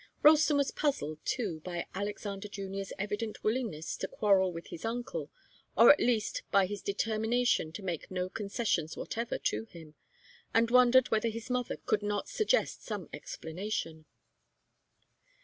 Ralston was puzzled, too, by Alexander Junior's evident willingness to quarrel with his uncle, or at least by his determination to make no concessions whatever to him, and wondered whether his mother could not suggest some explanation.